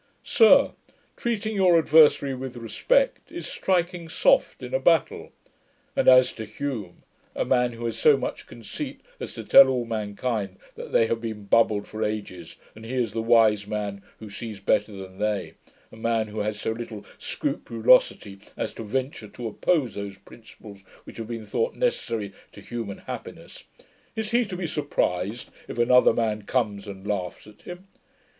Sir, treating your adversary with respect, is striking soft in a battle. And as to Hume a man who has so much conceit as to tell all mankind that they have been bubbled for ages, and he is the wise man who sees better than they a man who has so little scrupulosity as to venture to oppose those principles which have been thought necessary to human happiness is he to be surprised if another man comes and laughs at him?